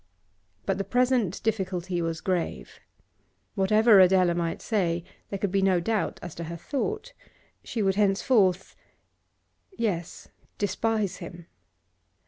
But the present difficulty was grave. Whatever Adela might say, there could be no doubt as to her thought; she would henceforth yes, despise him.